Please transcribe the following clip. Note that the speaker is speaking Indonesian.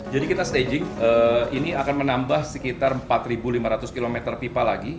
jadi kita staging ini akan menambah sekitar empat lima ratus kilometer pipa lagi